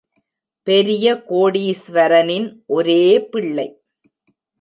பெரிய கோடீஸ்வரனின் ஒரே பிள்ளை.